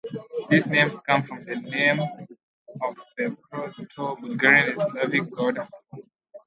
These names come from the name of the Proto-Bulgarian and Slavic god Hors.